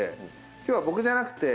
今日は僕じゃなくて。